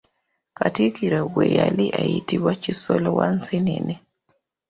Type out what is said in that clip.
Katikkiro we yali ayitibwa Kisolo wa Nseenene.